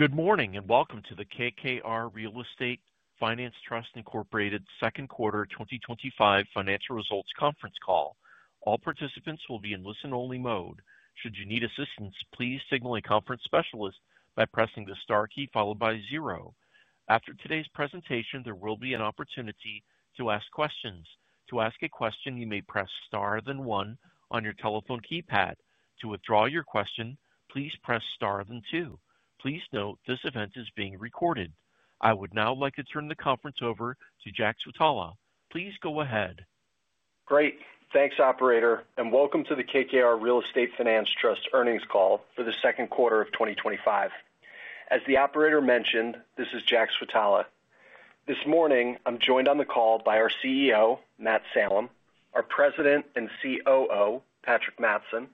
Good morning and welcome to the KKR Real Estate Finance Trust Inc. Second Quarter 2025 Financial Results Conference Call. All participants will be in listen-only mode. Should you need assistance, please signal a conference specialist by pressing the star key followed by zero. After today's presentation, there will be an opportunity to ask questions. To ask a question, you may press star then one on your telephone keypad. To withdraw your question, please press star then two. Please note this event is being recorded. I would now like to turn the conference over to Jack Switala. Please go ahead. Great, thanks operator, and welcome to the KKR Real Estate Finance Trust Earnings Call for the second quarter of 2025. As the operator mentioned, this is Jack Switala. This morning, I'm joined on the call by our CEO, Matt Salem, our President and COO, Patrick Mattson,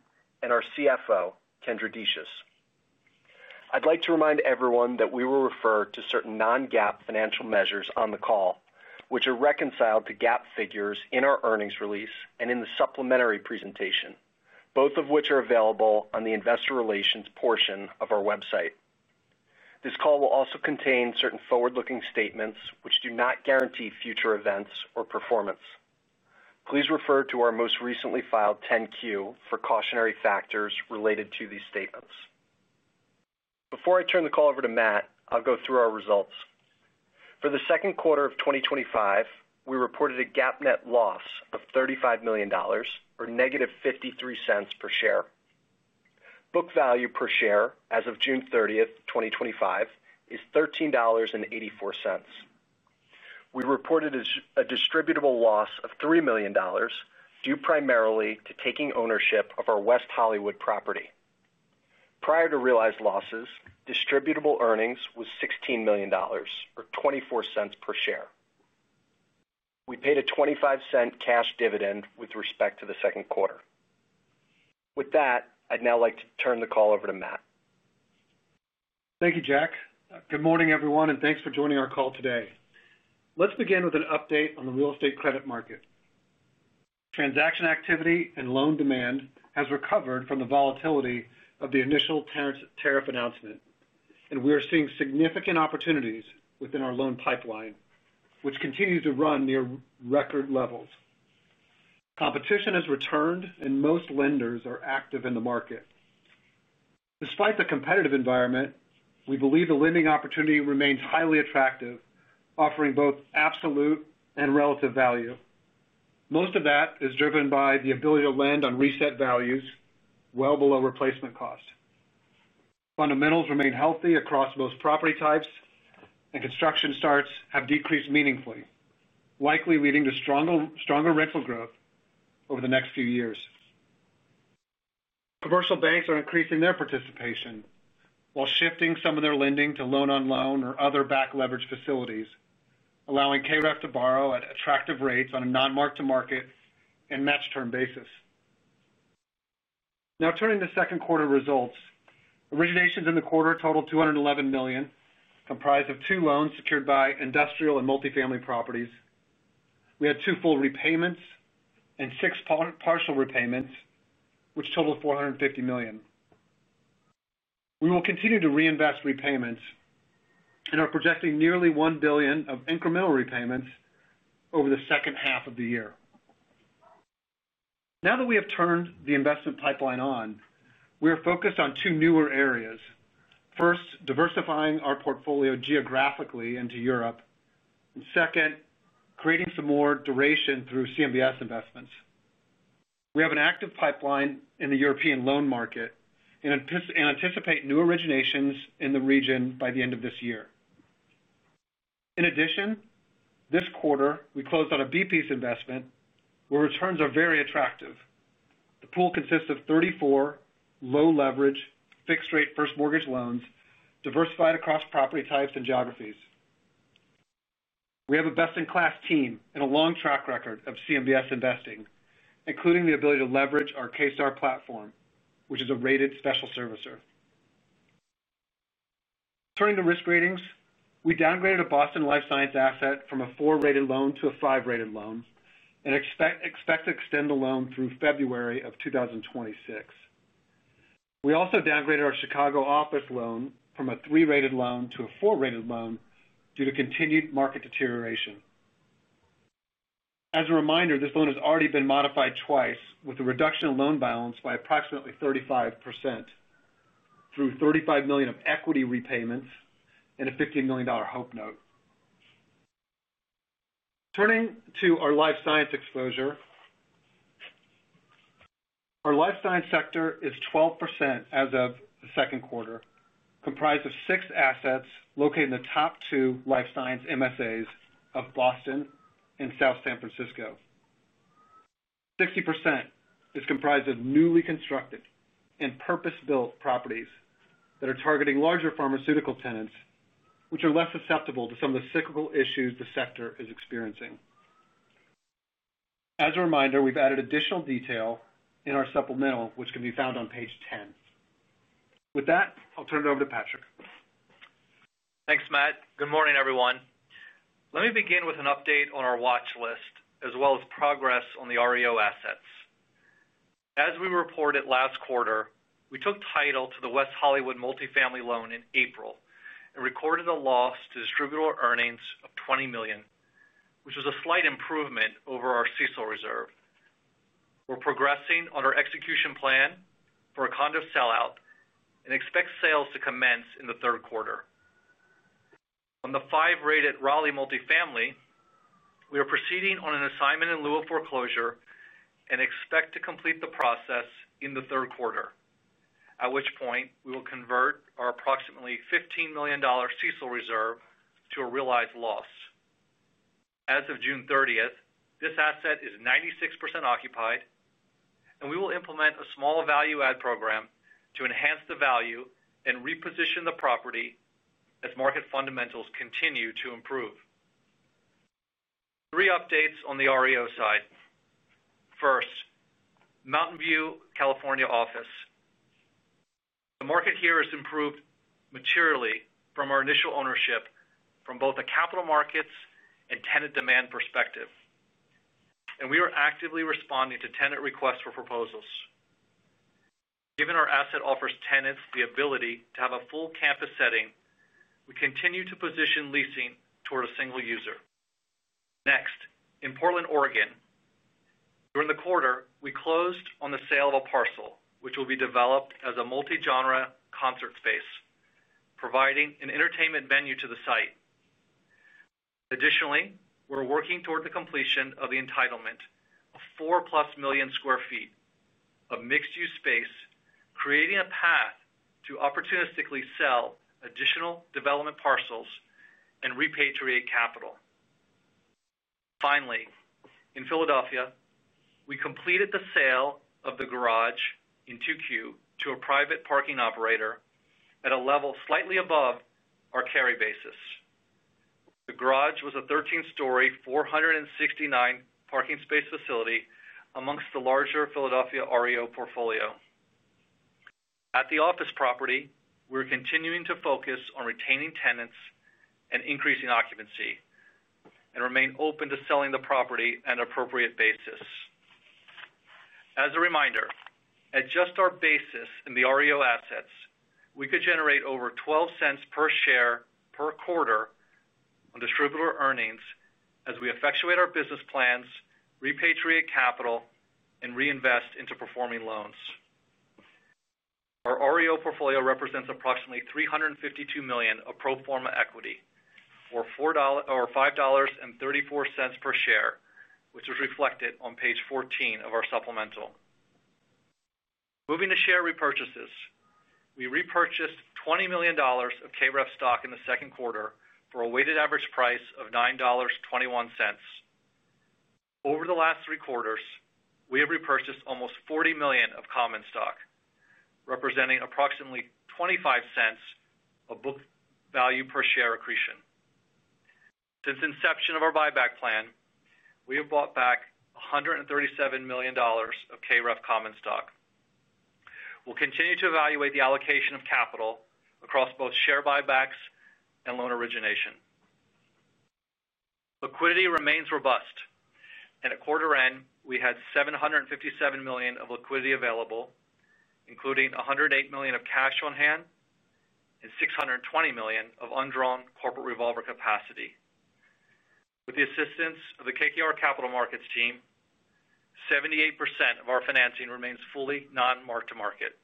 and our CFO, Kendra Decious. I'd like to remind everyone that we will refer to certain non-GAAP financial measures on the call, which are reconciled to GAAP figures in our earnings release and in the supplementary presentation, both of which are available on the Investor Relations portion of our website. This call will also contain certain forward-looking statements, which do not guarantee future events or performance. Please refer to our most recently filed 10-Q for cautionary factors related to these statements. Before I turn the call over to Matt, I'll go through our results. For the second quarter of 2025, we reported a GAAP net loss of $35 million, or -$0.53 per share. Book value per share as of June 30th, 2025, is $13.84. We reported a distributable loss of $3 million, due primarily to taking ownership of our West Hollywood property. Prior to realized losses, distributable earnings were $16 million, or $0.24 per share. We paid a $0.25 cash dividend with respect to the second quarter. With that, I'd now like to turn the call over to Matt. Thank you, Jack. Good morning everyone, and thanks for joining our call today. Let's begin with an update on the real estate credit market. Transaction activity and loan demand have recovered from the volatility of the initial tariff announcement, and we are seeing significant opportunities within our loan pipeline, which continues to run near record levels. Competition has returned, and most lenders are active in the market. Despite the competitive environment, we believe the lending opportunity remains highly attractive, offering both absolute and relative value. Most of that is driven by the ability to lend on reset values well below replacement costs. Fundamentals remain healthy across most property types, and construction starts have decreased meaningfully, likely leading to stronger rental growth over the next few years. Commercial banks are increasing their participation while shifting some of their lending to loan-on-loan or other back-leveraged facilities, allowing KKR Real Estate Finance Trust Inc. to borrow at attractive rates on a non-mark-to-market and matched term basis. Now turning to second quarter results, originations in the quarter totaled $211 million, comprised of two loans secured by industrial and multifamily properties. We had two full repayments and six partial repayments, which totaled $450 million. We will continue to reinvest repayments and are projecting nearly $1 billion of incremental repayments over the second half of the year. Now that we have turned the investment pipeline on, we are focused on two newer areas. First, diversifying our portfolio geographically into Europe, and second, creating some more duration through CMBS investments. We have an active pipeline in the European loan market and anticipate new originations in the region by the end of this year. In addition, this quarter, we closed on a B-piece investment where returns are very attractive. The pool consists of 34 low-leveraged, fixed-rate first mortgage loans diversified across property types and geographies. We have a best-in-class team and a long track record of CMBS investing, including the ability to leverage our KSR platform, which is a rated special servicer. Turning to risk ratings, we downgraded a Boston life science asset from a 4-rated loan to a 5-rated loan and expect to extend the loan through February of 2026. We also downgraded our Chicago office loan from a 3-rated loan to a 4-rated loan due to continued market deterioration. As a reminder, this loan has already been modified twice with a reduction in loan balance by approximately 35% through $35 million of equity repayments and a $15 million hope note. Turning to our life science exposure, our life science sector is 12% as of the second quarter, comprised of six assets located in the top two life science MSAs of Boston and South San Francisco. 60% is comprised of newly constructed and purpose-built properties that are targeting larger pharmaceutical tenants, which are less susceptible to some of the cyclical issues the sector is experiencing. As a reminder, we've added additional detail in our supplemental, which can be found on page 10. With that, I'll turn it over to Patrick. Thanks, Matt. Good morning, everyone. Let me begin with an update on our watch list as well as progress on the REO assets. As we reported last quarter, we took title to the West Hollywood multifamily loan in April and recorded a loss to distributable earnings of $20 million, which was a slight improvement over our CECL reserve. We're progressing on our execution plan for a condo sell-out and expect sales to commence in the third quarter. On the 5-rated Raleigh multifamily, we are proceeding on an assignment in lieu of foreclosure and expect to complete the process in the third quarter, at which point we will convert our approximately $15 million CECL reserve to a realized loss. As of June 30, this asset is 96% occupied, and we will implement a small value-add program to enhance the value and reposition the property as market fundamentals continue to improve. Three updates on the REO side. First, Mountain View, California office. The market here has improved materially from our initial ownership from both the capital markets and tenant demand perspective, and we are actively responding to tenant requests for proposals. Given our asset offers tenants the ability to have a full campus setting, we continue to position leasing toward a single user. Next, in Portland, Oregon, during the quarter, we closed on the sale of a parcel, which will be developed as a multi-genre concert space, providing an entertainment venue to the site. Additionally, we're working toward the completion of the entitlement of 4+ million square feet of mixed-use space, creating a path to opportunistically sell additional development parcels and repatriate capital. Finally, in Philadelphia, we completed the sale of the garage in Q2 to a private parking operator at a level slightly above our carry basis. The garage was a 13-story, 469 parking space facility amongst the larger Philadelphia REO portfolio. At the office property, we're continuing to focus on retaining tenants and increasing occupancy and remain open to selling the property at an appropriate basis. As a reminder, at just our basis in the REO assets, we could generate over $0.12 per share per quarter on distributable earnings as we effectuate our business plans, repatriate capital, and reinvest into performing loans. Our REO portfolio represents approximately $352 million of pro forma equity, or $5.34 per share, which was reflected on page 14 of our supplemental. Moving to share repurchases, we repurchased $20 million of KKR Real Estate Finance Trust Inc. stock in the second quarter for a weighted average price of $9.21. Over the last three quarters, we have repurchased almost $40 million of common stock, representing approximately $0.25 of book value per share accretion. Since the inception of our buyback plan, we have bought back $137 million of KKR Real Estate Finance Trust Inc. common stock. We'll continue to evaluate the allocation of capital across both share buybacks and loan origination. Liquidity remains robust, and at quarter end, we had $757 million of liquidity available, including $108 million of cash on hand and $620 million of undrawn corporate revolver capacity. With the assistance of the KKR Capital Markets team, 78% of our financing remains fully non-mark-to-market.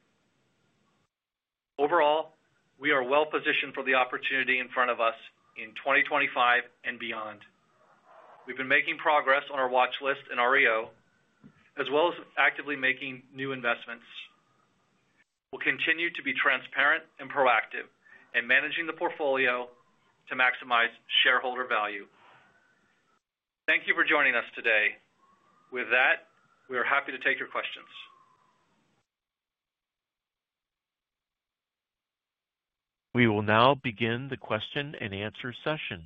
Overall, we are well positioned for the opportunity in front of us in 2025 and beyond. We've been making progress on our watch list and REO, as well as actively making new investments. We'll continue to be transparent and proactive in managing the portfolio to maximize shareholder value. Thank you for joining us today. With that, we are happy to take your questions. We will now begin the question and answer session.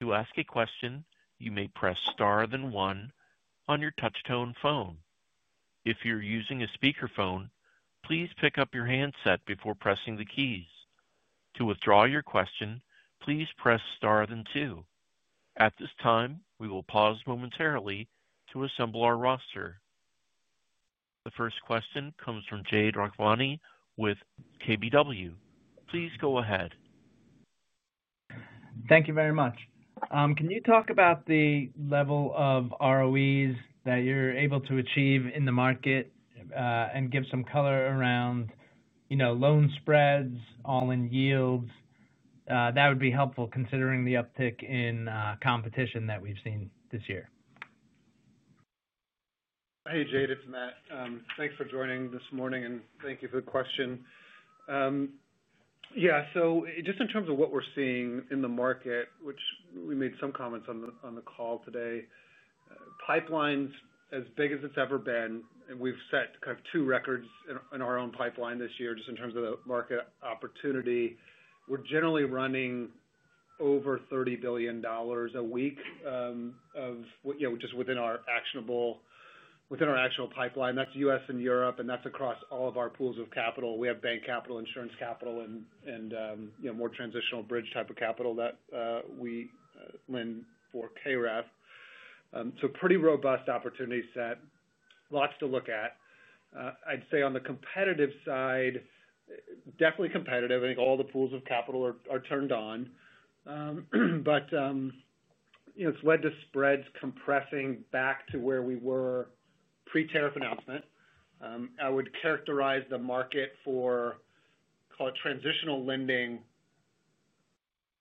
To ask a question, you may press star then one on your touch-tone phone. If you're using a speakerphone, please pick up your handset before pressing the keys. To withdraw your question, please press star then two. At this time, we will pause momentarily to assemble our roster. The first question comes from Jade Rahmani with KBW. Please go ahead. Thank you very much. Can you talk about the level of ROEs that you're able to achieve in the market and give some color around, you know, loan spreads, all-in yields? That would be helpful considering the uptick in competition that we've seen this year. Hey, Jade, it's Matt. Thanks for joining this morning and thank you for the question. In terms of what we're seeing in the market, which we made some comments on the call today, pipeline's as big as it's ever been, and we've set kind of two records in our own pipeline this year just in terms of the market opportunity. We're generally running over $30 billion a week of, you know, just within our actionable pipeline. That's U.S. and Europe, and that's across all of our pools of capital. We have bank capital, insurance capital, and, you know, more transitional bridge type of capital that we lend for KKR Real Estate Finance Trust Inc. So pretty robust opportunity set, lots to look at. I'd say on the competitive side, definitely competitive. I think all the pools of capital are turned on. It's led to spreads compressing back to where we were pre-tariff announcement. I would characterize the market for, call it, transitional lending,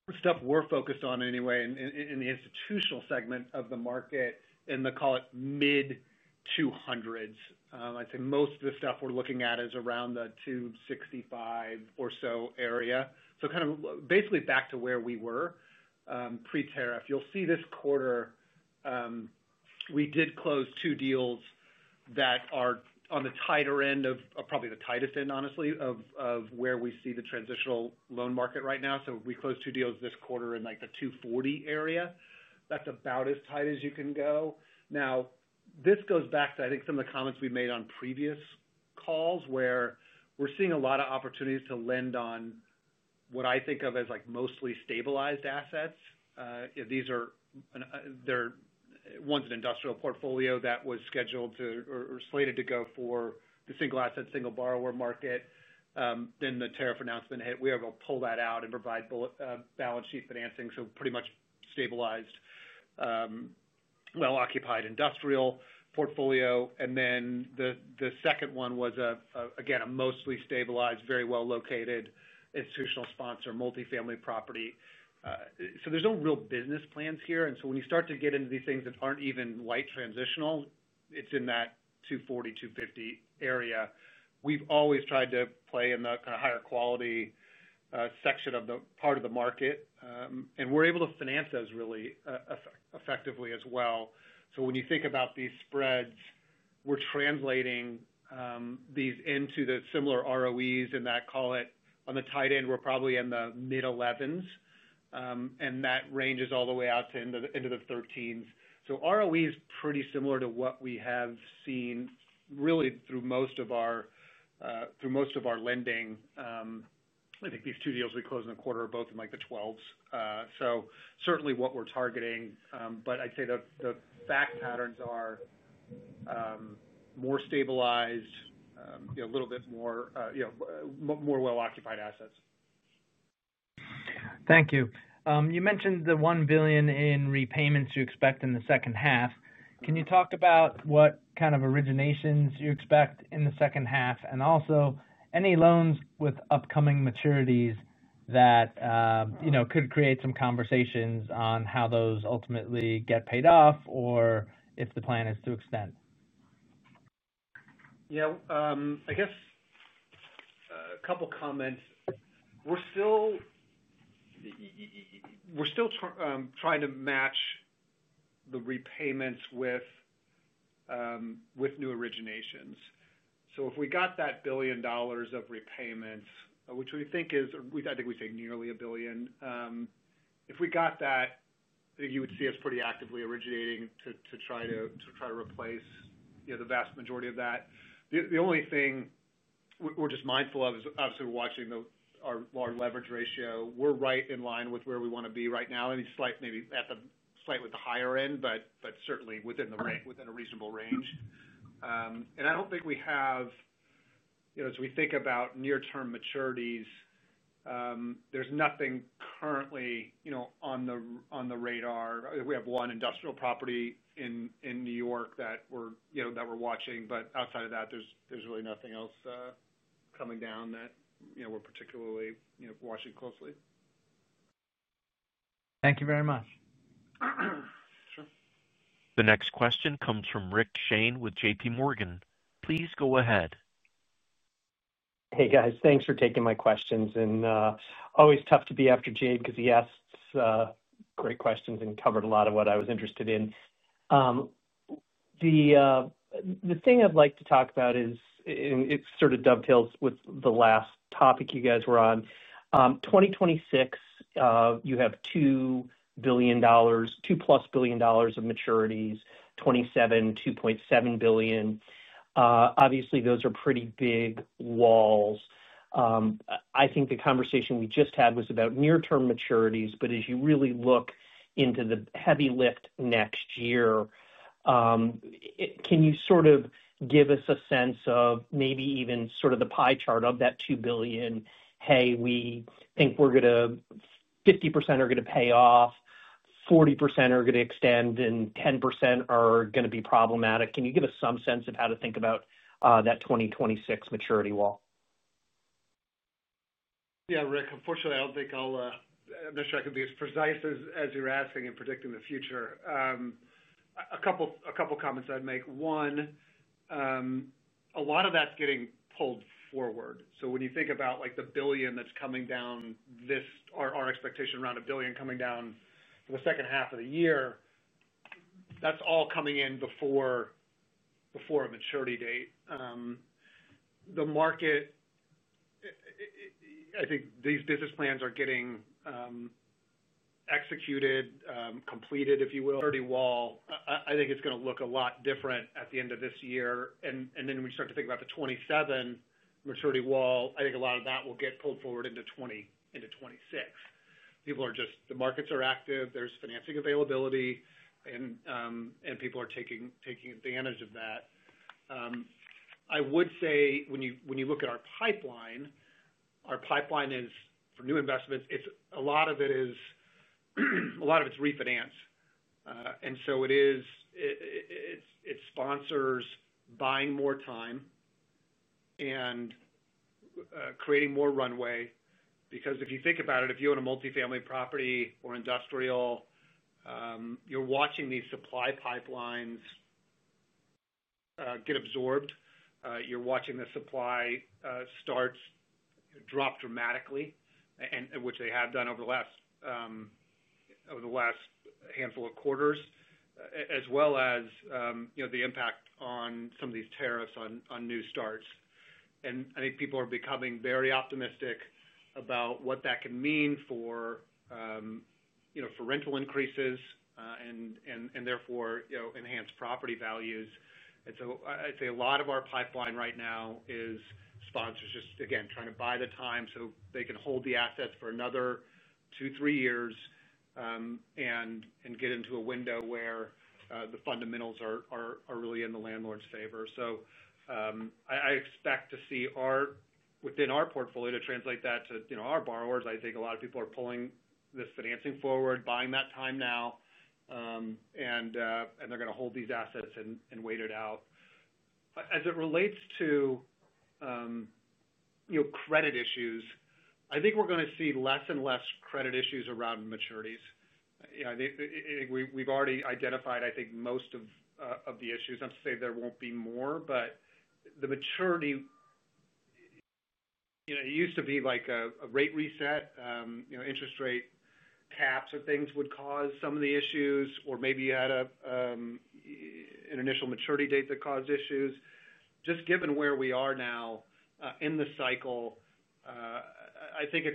the stuff we're focused on anyway, in the institutional segment of the market in the, call it, mid-200s. I'd say most of the stuff we're looking at is around the 265 or so area. Basically back to where we were pre-tariff. You'll see this quarter, we did close two deals that are on the tighter end of, probably the tightest end, honestly, of where we see the transitional loan market right now. We closed two deals this quarter in like the 240 area. That's about as tight as you can go. This goes back to, I think, some of the comments we made on previous calls where we're seeing a lot of opportunities to lend on what I think of as like mostly stabilized assets. These are ones in an industrial portfolio that was scheduled to or slated to go for the single asset, single borrower market. The tariff announcement hit, we were able to pull that out and provide balance sheet financing, so pretty much stabilized, well-occupied industrial portfolio. The second one was, again, a mostly stabilized, very well-located institutional sponsor multifamily property. There's no real business plans here. When you start to get into these things that aren't even light transitional, it's in that 240, 250 area. We've always tried to play in the kind of higher quality section of the part of the market. We're able to finance those really effectively as well. When you think about these spreads, we're translating these into the similar ROEs in that, call it, on the tight end, we're probably in the mid-11s. That ranges all the way out into the 13s. ROE is pretty similar to what we have seen really through most of our lending. I think these two deals we closed in a quarter are both in like the 12s. Certainly what we're targeting, but I'd say the fact patterns are more stabilized, a little bit more, you know, more well-occupied assets. Thank you. You mentioned the $1 billion in repayments you expect in the second half. Can you talk about what kind of originations you expect in the second half, and also any loans with upcoming maturities that could create some conversations on how those ultimately get paid off or if the plan is to extend? Yeah, I guess a couple of comments. We're still trying to match the repayments with new originations. If we got that $1 billion of repayments, which we think is, I think we say nearly $1 billion, if we got that, I think you would see us pretty actively originating to try to replace the vast majority of that. The only thing we're just mindful of is obviously watching our leverage ratio. We're right in line with where we want to be right now, maybe at the slightly higher end, but certainly within a reasonable range. I don't think we have, you know, as we think about near-term maturities, there's nothing currently on the radar. We have one industrial property in New York that we're watching, but outside of that, there's really nothing else coming down that we're particularly watching closely. Thank you very much. The next question comes from Rick Shane with JPMorgan. Please go ahead. Hey guys, thanks for taking my questions. Always tough to be after Jade because he asks great questions and covered a lot of what I was interested in. The thing I'd like to talk about is, and it sort of dovetails with the last topic you guys were on. In 2026, you have $2 billion, $2+ billion of maturities, 2027, $2.7 billion. Obviously, those are pretty big walls. I think the conversation we just had was about near-term maturities, but as you really look into the heavy lift next year, can you sort of give us a sense of maybe even sort of the pie chart of that $2 billion, hey, we think we're going to, 50% are going to pay off, 40% are going to extend, and 10% are going to be problematic? Can you give us some sense of how to think about that 2026 maturity wall? Yeah, Rick, unfortunately, I don't think I'll, I'm not sure I can be as precise as you're asking in predicting the future. A couple of comments I'd make. One, a lot of that's getting pulled forward. When you think about like the $1 billion that's coming down, our expectation around $1 billion coming down in the second half of the year, that's all coming in before a maturity date. The market, I think these business plans are getting executed, completed, if you will. The maturity wall, I think it's going to look a lot different at the end of this year. When you start to think about the 2027 maturity wall, I think a lot of that will get pulled forward into 2026. People are just, the markets are active, there's financing availability, and people are taking advantage of that. I would say when you look at our pipeline for new investments, a lot of it is refinance. It is sponsors buying more time and creating more runway because if you think about it, if you own a multifamily property or industrial, you're watching these supply pipelines get absorbed. You're watching the supply starts drop dramatically, which they have done over the last handful of quarters, as well as the impact on some of these tariffs on new starts. I think people are becoming very optimistic about what that can mean for rental increases and therefore enhance property values. I'd say a lot of our pipeline right now is sponsors just again trying to buy the time so they can hold the assets for another two, three years and get into a window where the fundamentals are really in the landlord's favor. I expect to see within our portfolio, to translate that to our borrowers, I think a lot of people are pulling this financing forward, buying that time now, and they're going to hold these assets and wait it out. As it relates to credit issues, I think we're going to see less and less credit issues around maturities. I think we've already identified, I think, most of the issues. Not to say there won't be more, but the maturity, you know, it used to be like a rate reset. Interest rate caps or things would cause some of the issues, or maybe you had an initial maturity date that caused issues. Just given where we are now in the cycle, I think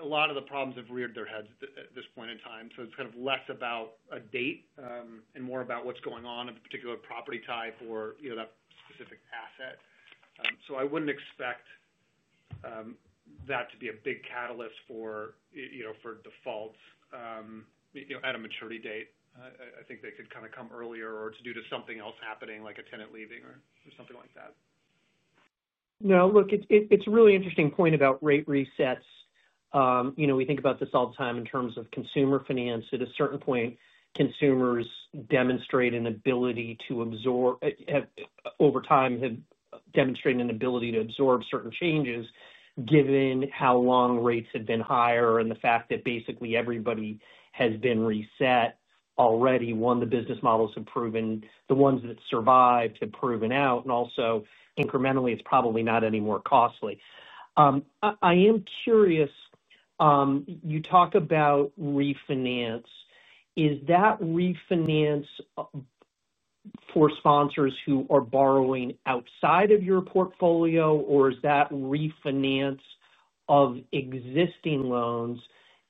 a lot of the problems have reared their heads at this point in time. It's kind of less about a date and more about what's going on at the particular property type or that specific asset. I wouldn't expect that to be a big catalyst for defaults at a maturity date. I think they could kind of come earlier or it's due to something else happening, like a tenant leaving or something like that. No, look, it's a really interesting point about rate resets. We think about this all the time in terms of consumer finance. At a certain point, consumers demonstrate an ability to absorb, have over time demonstrated an ability to absorb certain changes given how long rates have been higher and the fact that basically everybody has been reset already. The business models have proven, the ones that survived have proven out, and also incrementally, it's probably not any more costly. I am curious, you talk about refinance. Is that refinance for sponsors who are borrowing outside of your portfolio, or is that refinance of existing loans?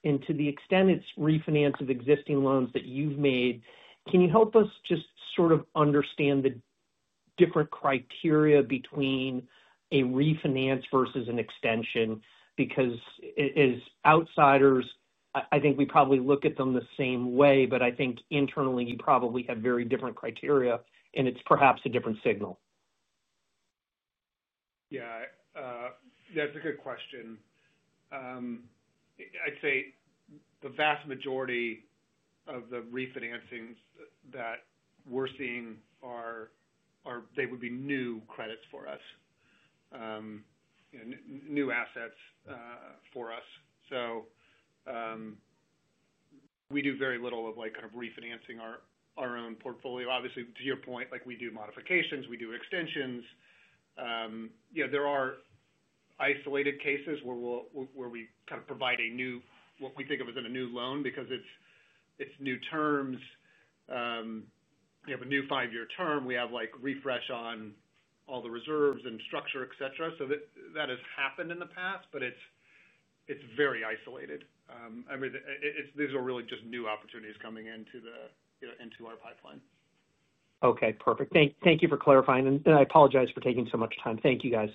To the extent it's refinance of existing loans that you've made, can you help us just sort of understand the different criteria between a refinance versus an extension? As outsiders, I think we probably look at them the same way, but I think internally you probably have very different criteria, and it's perhaps a different signal. Yeah, it's a good question. I'd say the vast majority of the refinancing that we're seeing are, they would be new credits for us, new assets for us. We do very little of kind of refinancing our own portfolio. Obviously, to your point, we do modifications, we do extensions. There are isolated cases where we kind of provide a new, what we think of as a new loan because it's new terms. You have a new five-year term. We have a refresh on all the reserves and structure, et cetera. That has happened in the past, but it's very isolated. These are really just new opportunities coming into our pipeline. Okay, perfect. Thank you for clarifying, and I apologize for taking so much time. Thank you, guys.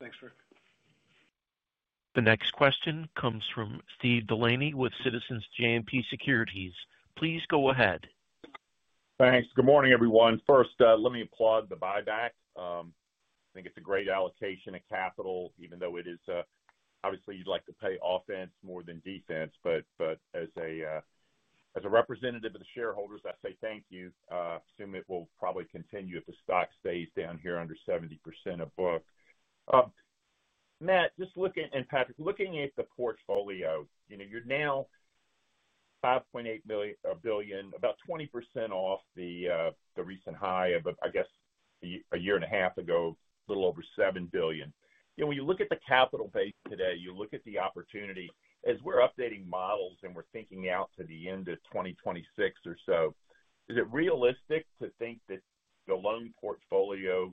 Thanks, Rick. The next question comes from Steve Delaney with Citizens JMP. Please go ahead. Thanks. Good morning, everyone. First, let me applaud the buyback. I think it's a great allocation of capital, even though it is obviously you'd like to play offense more than defense. As a representative of the shareholders, I say thank you. I assume it will probably continue if the stock stays down here under 70% of book. Matt, just looking at, and Patrick, looking at the portfolio, you're now $5.8 billion, about 20% off the recent high of, I guess, a year and a half ago, a little over $7 billion. When you look at the capital base today, you look at the opportunity. As we're updating models and we're thinking out to the end of 2026 or so, is it realistic to think that the loan portfolio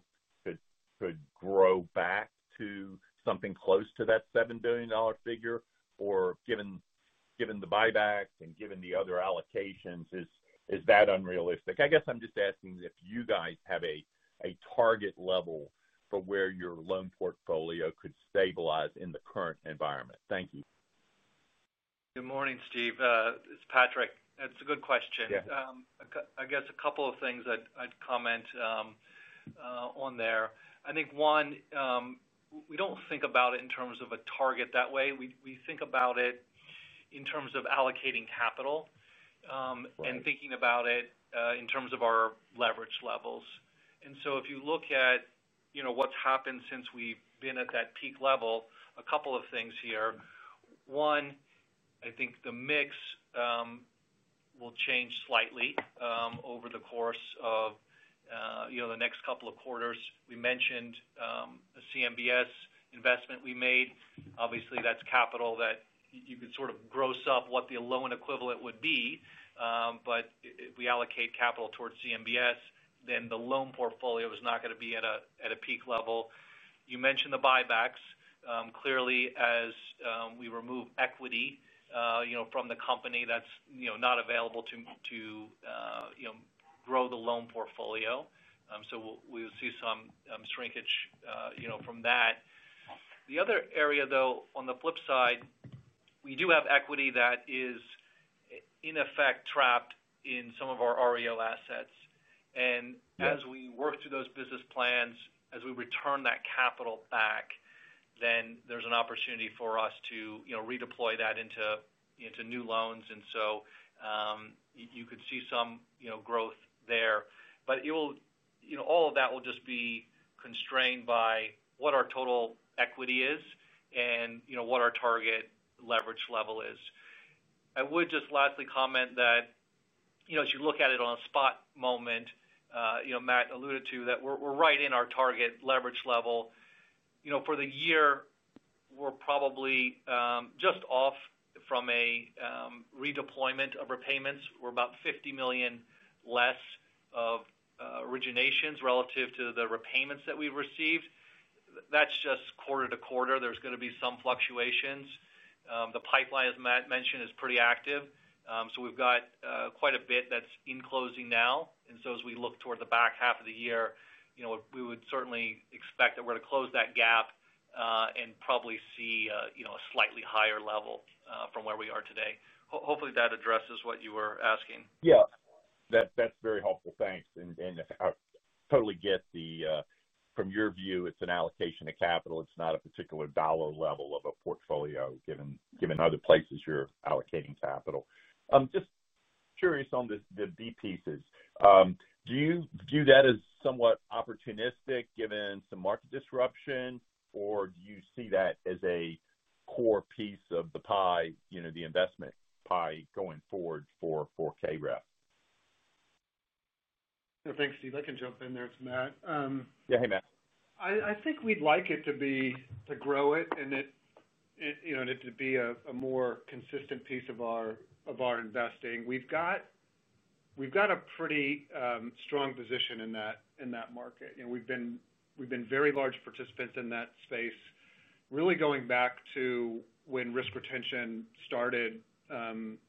could grow back to something close to that $7 billion figure? Or given the buyback and given the other allocations, is that unrealistic? I guess I'm just asking if you guys have a target level for where your loan portfolio could stabilize in the current environment. Thank you. Good morning, Steve. It's Patrick. It's a good question. I guess a couple of things I'd comment on there. I think, one, we don't think about it in terms of a target that way. We think about it in terms of allocating capital and thinking about it in terms of our leverage levels. If you look at what's happened since we've been at that peak level, a couple of things here. One, I think the mix will change slightly over the course of the next couple of quarters. We mentioned a CMBS investment we made. Obviously, that's capital that you could sort of gross up what the loan equivalent would be. If we allocate capital towards CMBS, then the loan portfolio is not going to be at a peak level. You mentioned the buybacks. Clearly, as we remove equity from the company, that's not available to grow the loan portfolio. We'll see some shrinkage from that. The other area, though, on the flip side, we do have equity that is in effect trapped in some of our REO assets. As we work through those business plans, as we return that capital back, then there's an opportunity for us to redeploy that into new loans. You could see some growth there. All of that will just be constrained by what our total equity is and what our target leverage level is. I would just lastly comment that, you know, as you look at it on a spot moment, you know, Matt alluded to that we're right in our target leverage level. For the year, we're probably just off from a redeployment of repayments. We're about $50 million less of originations relative to the repayments that we've received. That's just quarter to quarter. There's going to be some fluctuations. The pipeline, as Matt mentioned, is pretty active. We've got quite a bit that's in closing now. As we look toward the back half of the year, we would certainly expect that we're to close that gap and probably see, you know, a slightly higher level from where we are today. Hopefully, that addresses what you were asking. Yeah, that's very helpful. Thanks. I totally get the, from your view, it's an allocation of capital. It's not a particular dollar level of a portfolio, given other places you're allocating capital. I'm just curious on the B-piece investments. Do you view that as somewhat opportunistic given some market disruption, or do you see that as a core piece of the pie, you know, the investment pie going forward for KKR Real Estate Finance Trust Inc.? Thanks, Steve. I can jump in there. It's Matt. Yeah, hey Matt. I think we'd like it to grow and to be a more consistent piece of our investing. We've got a pretty strong position in that market. We've been very large participants in that space, really going back to when risk retention started in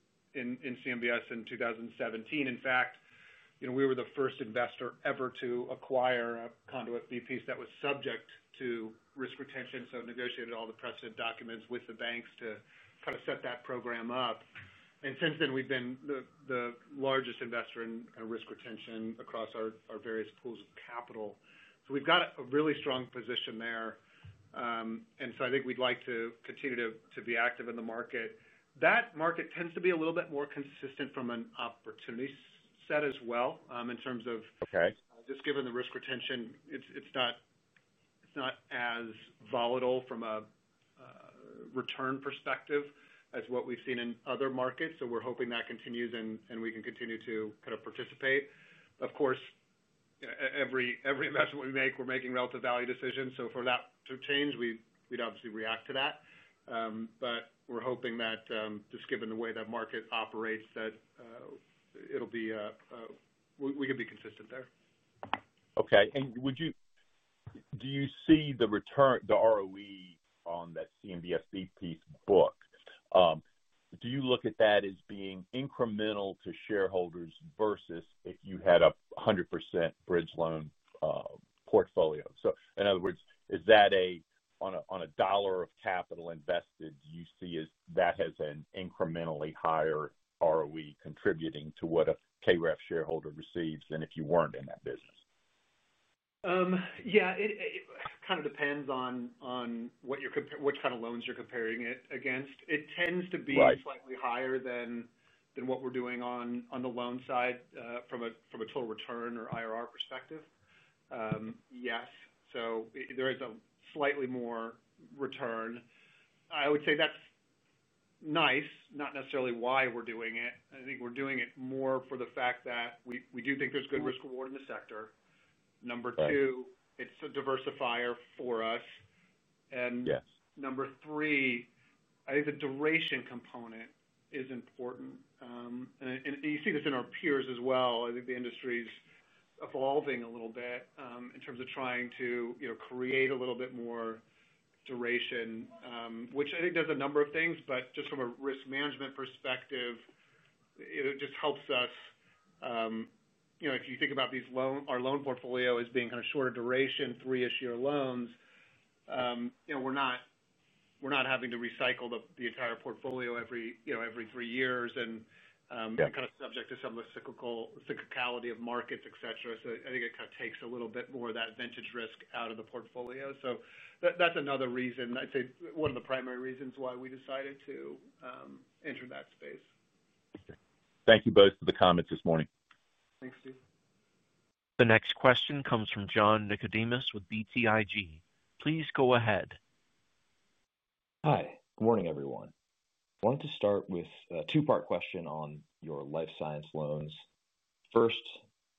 CMBS in 2017. In fact, we were the first investor ever to acquire a conduit B-piece that was subject to risk retention. We negotiated all the precedent documents with the banks to set that program up. Since then, we've been the largest investor in risk retention across our various pools of capital. We've got a really strong position there. I think we'd like to continue to be active in the market. That market tends to be a little bit more consistent from an opportunity set as well, given the risk retention. It's not as volatile from a return perspective as what we've seen in other markets. We're hoping that continues and we can continue to participate. Of course, every investment we make, we're making relative value decisions. For that to change, we'd obviously react to that. We're hoping that just given the way that market operates, we could be consistent there. Okay. Do you see the return, the ROE on that CMBS B-piece book? Do you look at that as being incremental to shareholders versus if you had a 100% bridge loan portfolio? In other words, on a dollar of capital invested, do you see that has an incrementally higher ROE contributing to what a KKR Real Estate Finance Trust Inc. shareholder receives than if you weren't in that business? Yeah, it kind of depends on what you're, which kind of loans you're comparing it against. It tends to be slightly higher than what we're doing on the loan side from a total return or IRR perspective. Yes, so there is a slightly more return. I would say that's nice, not necessarily why we're doing it. I think we're doing it more for the fact that we do think there's good risk reward in the sector. Number two, it's a diversifier for us. Number three, I think the duration component is important. You see this in our peers as well. I think the industry's evolving a little bit in terms of trying to create a little bit more duration, which I think does a number of things, but just from a risk management perspective, it just helps us. If you think about these loans, our loan portfolio is being kind of shorter duration, three-ish year loans. We're not having to recycle the entire portfolio every three years and kind of subject to some of the cyclicality of markets, et cetera. I think it kind of takes a little bit more of that vintage risk out of the portfolio. That's another reason, I'd say one of the primary reasons why we decided to enter that space. Thank you both for the comments this morning. Thanks, Steve. The next question comes from John Nicodemus with BTIG. Please go ahead. Hi, good morning everyone. I wanted to start with a two-part question on your life science loans. First,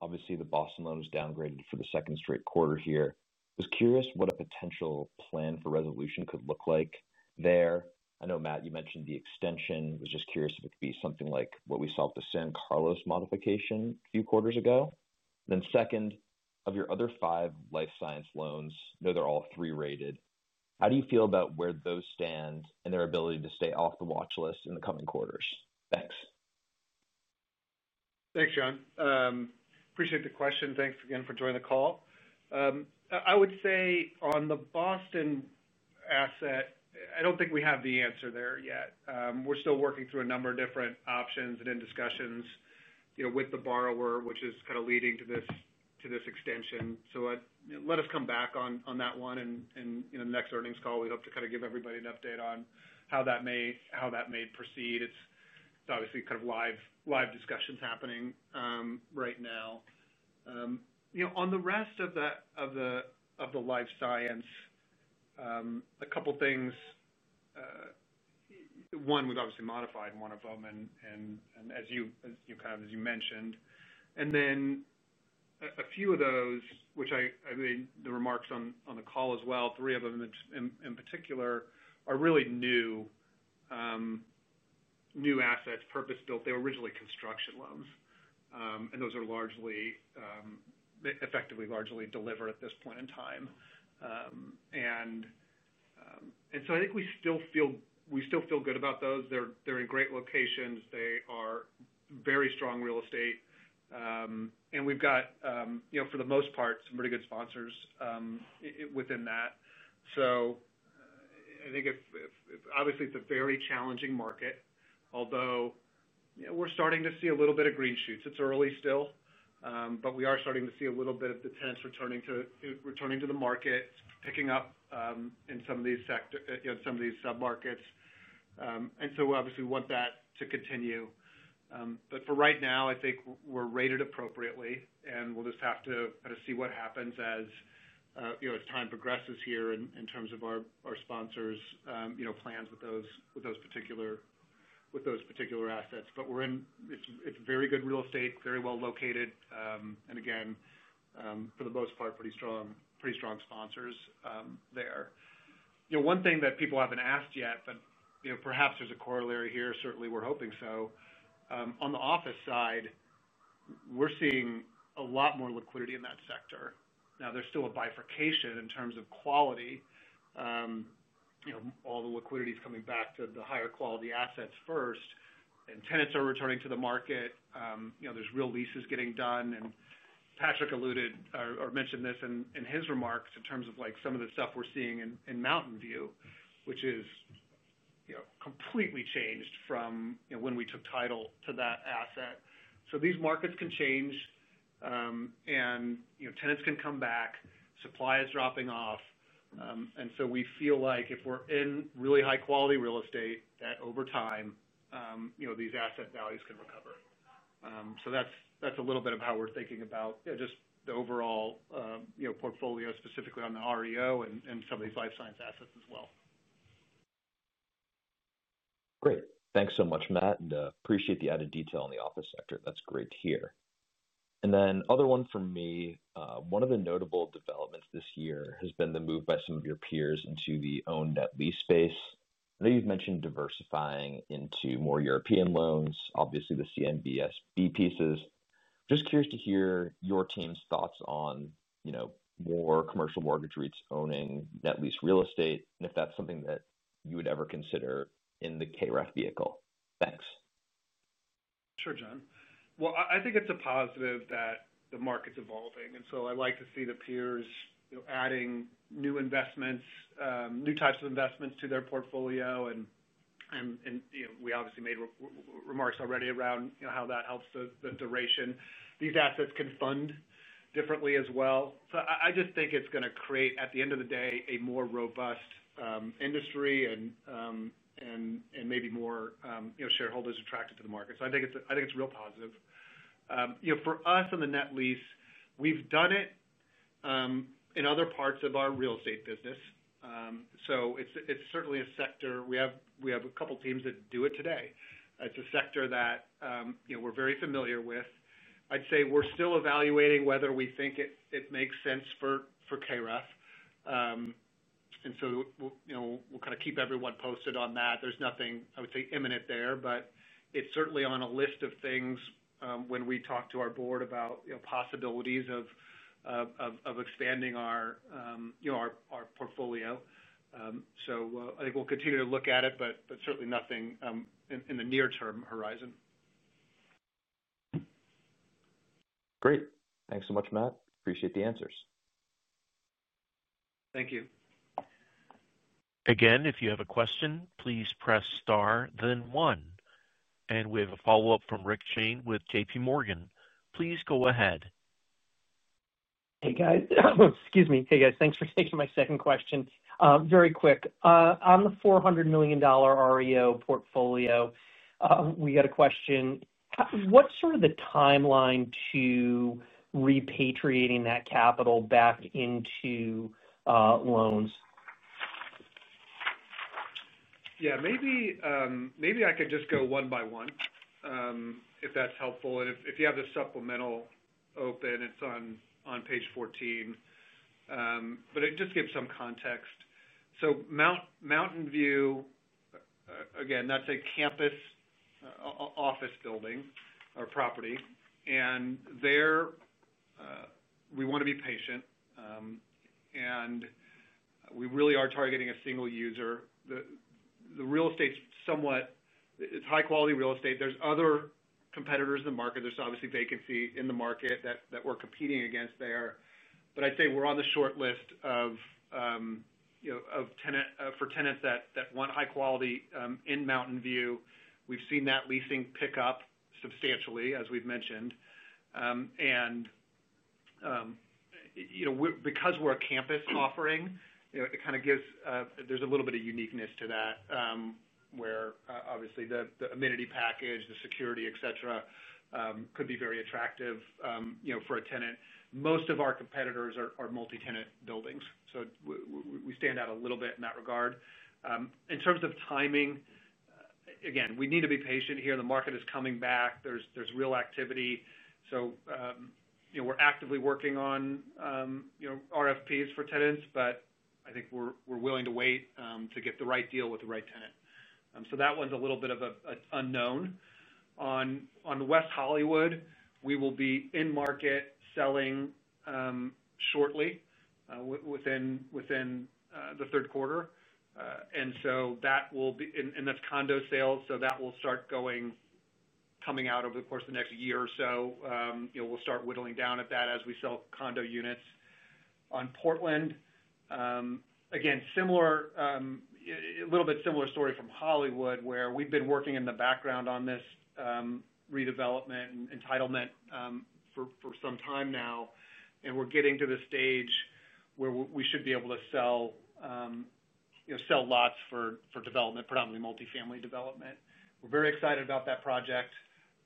obviously the Boston loan is downgraded for the second straight quarter here. I was curious what a potential plan for resolution could look like there. I know Matt, you mentioned the extension. I was just curious if it could be something like what we saw with the San Carlos modification a few quarters ago. Second, of your other five life science loans, I know they're all three-rated. How do you feel about where those stand and their ability to stay off the watch list in the coming quarters? Thanks. Thanks, John. Appreciate the question. Thanks again for joining the call. I would say on the Boston asset, I don't think we have the answer there yet. We're still working through a number of different options and in discussions with the borrower, which is kind of leading to this extension. Let us come back on that one. In the next earnings call, we'd hope to give everybody an update on how that may proceed. It's obviously kind of live discussions happening right now. On the rest of the life science, a couple of things. One, we've obviously modified one of them, as you mentioned, and then a few of those, which I made the remarks on the call as well, three of them in particular are really new assets, purpose-built. They were originally construction loans. Those are largely, effectively largely delivered at this point in time. I think we still feel good about those. They're in great locations. They are very strong real estate. We've got, for the most part, some pretty good sponsors within that. I think it's a very challenging market, although we're starting to see a little bit of green shoots. It's early still, but we are starting to see a little bit of detents returning to the market, picking up in some of these sectors, some of these submarkets. We want that to continue. For right now, I think we're rated appropriately, and we'll just have to see what happens as time progresses here in terms of our sponsors' plans with those particular assets. We're in very good real estate, very well located, and again, for the most part, pretty strong sponsors there. One thing that people haven't asked yet, but perhaps there's a corollary here. Certainly, we're hoping so. On the office side, we're seeing a lot more liquidity in that sector. There's still a bifurcation in terms of quality. All the liquidity is coming back to the higher quality assets first, and tenants are returning to the market. There are real leases getting done. Patrick mentioned this in his remarks in terms of some of the stuff we're seeing in Mountain View, which is completely changed from when we took title to that asset. These markets can change, and tenants can come back, supply is dropping off. We feel like if we're in really high-quality real estate, over time, these asset values can recover. That's a little bit of how we're thinking about just the overall portfolio, specifically on the REO and some of these life science assets as well. Great. Thanks so much, Matt, and I appreciate the added detail on the office sector. That's great to hear. Another one for me. One of the notable developments this year has been the move by some of your peers into the owned net lease space. I know you've mentioned diversifying into more European loans, obviously the CMBS B-piece investments. Just curious to hear your team's thoughts on more commercial mortgage REITs owning net lease real estate, and if that's something that you would ever consider in the KKR Real Estate Finance Trust Inc. vehicle. Thanks. Sure, John. I think it's a positive that the market evolving. I like to see the peers adding new investments, new types of investments to their portfolio. We obviously made remarks already around how that helps the duration. These assets can fund differently as well. I just think it's going to create, at the end of the day, a more robust industry and maybe more shareholders attracted to the market. I think it's a real positive. For us on the net lease, we've done it in other parts of our real estate business. It's certainly a sector. We have a couple of teams that do it today. It's a sector that we're very familiar with. I'd say we're still evaluating whether we think it makes sense for KKR Real Estate Finance Trust Inc. We'll kind of keep everyone posted on that. There's nothing, I would say, imminent there, but it's certainly on a list of things when we talk to our board about possibilities of expanding our portfolio. I think we'll continue to look at it, but certainly nothing in the near-term horizon. Great. Thanks so much, Matt. Appreciate the answers. Thank you. If you have a question, please press star, then one. We have a follow-up from Rick Shane with JPMorgan. Please go ahead. Hey guys, thanks for taking my second question. Very quick, on the $400 million REO portfolio, we had a question. What's sort of the timeline to repatriating that capital back into loans? Yeah, maybe I could just go one by one if that's helpful. If you have the supplemental open, it's on page 14. It can just give some context. Mountain View, again, that's a campus office building or property. There, we want to be patient. We really are targeting a single user. The real estate's somewhat, it's high-quality real estate. There are other competitors in the market. There's obviously vacancy in the market that we're competing against there. I'd say we're on the shortlist of tenants that want high quality in Mountain View. We've seen that leasing pick up substantially, as we've mentioned. Because we're a campus offering, it kind of gives a little bit of uniqueness to that, where obviously the amenity package, the security, et cetera, could be very attractive for a tenant. Most of our competitors are multi-tenant buildings, so we stand out a little bit in that regard. In terms of timing, again, we need to be patient here. The market is coming back. There's real activity. We're actively working on RFPs for tenants. I think we're willing to wait to get the right deal with the right tenant. That one's a little bit of an unknown. On West Hollywood, we will be in market selling shortly within the third quarter. That's condo sales, so that will start going, coming out over the course of the next year or so. We'll start whittling down at that as we sell condo units. On Portland, again, a little bit similar story from Hollywood, where we've been working in the background on this redevelopment and entitlement for some time now. We're getting to the stage where we should be able to sell lots for development, predominantly multifamily development. We're very excited about that project.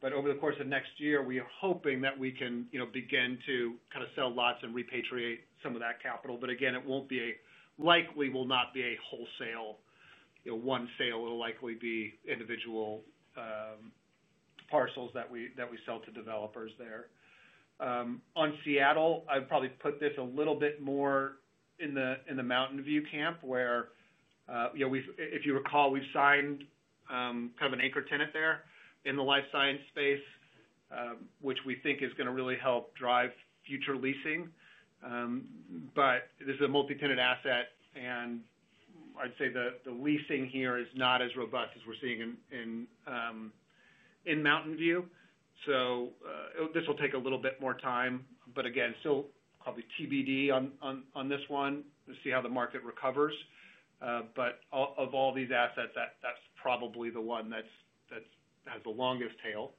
Over the course of next year, we are hoping that we can begin to kind of sell lots and repatriate some of that capital. It likely will not be a wholesale, one sale. It'll likely be individual parcels that we sell to developers there. On Seattle, I'd probably put this a little bit more in the Mountain View camp, where, if you recall, we've signed kind of an anchor tenant there in the life science space, which we think is going to really help drive future leasing. This is a multi-tenant asset, and I'd say the leasing here is not as robust as we're seeing in Mountain View. This will take a little bit more time. Again, still probably TBD on this one. We'll see how the market recovers. Of all these assets, that's probably the one that has the longest tail.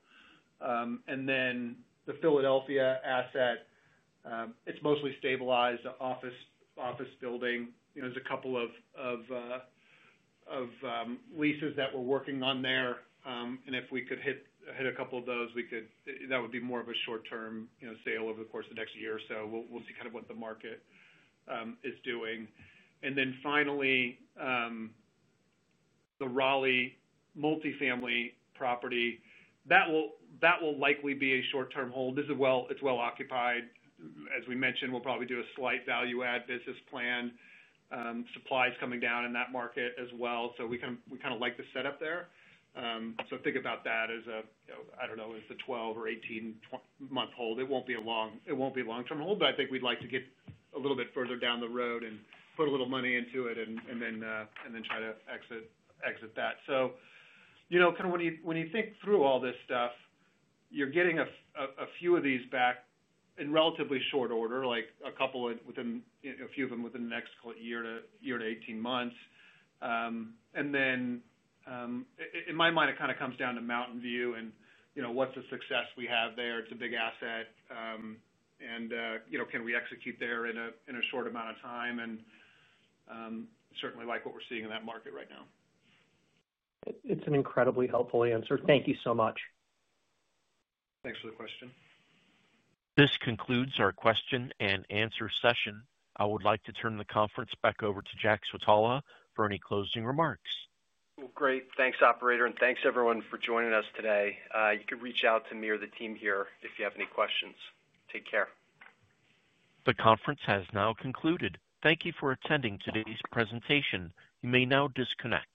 The Philadelphia asset is mostly stabilized, the office building. There's a couple of leases that we're working on there. If we could hit a couple of those, that would be more of a short-term sale over the course of the next year or so. We'll see what the market is doing. Finally, the Raleigh multifamily property will likely be a short-term hold. It's well-occupied. As we mentioned, we'll probably do a slight value-add business plan. Supply is coming down in that market as well. We kind of like the setup there. Think about that as a 12 or 18-month hold. It won't be a long-term hold, but we'd like to get a little bit further down the road and put a little money into it and then try to exit that. When you think through all this stuff, you're getting a few of these back in relatively short order, like a couple within, a few of them within the next year to 18 months. In my mind, it kind of comes down to Mountain View and what's the success we have there. It's a big asset. Can we execute there in a short amount of time? Certainly like what we're seeing in that market right now. It's an incredibly helpful answer. Thank you so much. Thanks for the question. This concludes our question and answer session. I would like to turn the conference back over to Jack Switala for any closing remarks. Thank you, operator, and thanks everyone for joining us today. You can reach out to me or the team here if you have any questions. Take care. The conference has now concluded. Thank you for attending today's presentation. You may now disconnect.